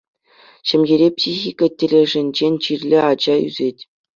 Ҫемьере психика тӗлӗшӗнчен чирлӗ ача ӳсет.